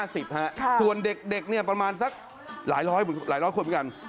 ส่วนเด็กเนี่ยประมาณสักหลายร้อยหลายร้อยคนไปกัน